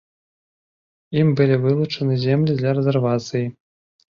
Ім былі вылучаны землі для рэзервацыі.